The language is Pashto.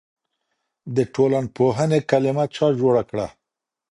د ټولنپوهنې کلمه چا جوړه کړه؟